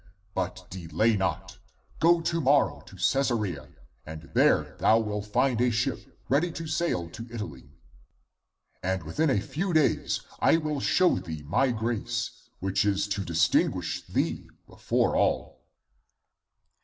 But delay not. Go to morrow (to Caesarea), and there thou will find a ship, ready to sail to Italy. And within a few days I will show thee my grace which is to distinguish thee before all."